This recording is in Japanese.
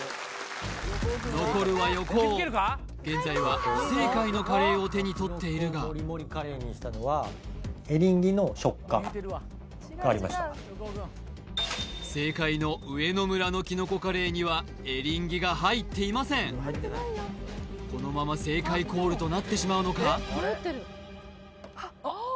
残るは横尾現在は不正解のカレーを手に取っているががありました正解の上野村のきのこカレーにはこのまま正解コールとなってしまうのか？